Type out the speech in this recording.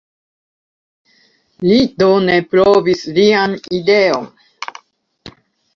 Li do ne provis lian ideon.